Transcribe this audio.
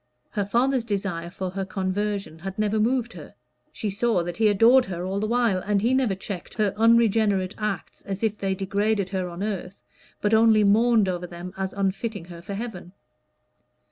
Her father's desire for her conversion had never moved her; she saw that he adored her all the while, and he never checked her unregenerate acts as if they degraded her on earth, but only mourned over them as unfitting her for heaven.